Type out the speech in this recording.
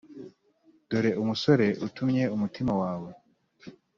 dore umusore utumye umutima wawe